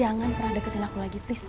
jangan pernah deketin aku lagi tips